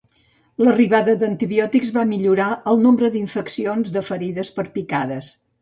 L'arribada d'antibiòtics va millorar el nombre d'infeccions de ferides per picades.